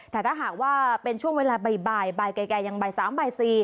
แต่ถ้าหากว่าเป็นช่วงเวลาบ่ายแก่ยังบ่าย๓บ่าย๔